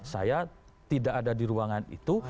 saya tidak ada di ruangan itu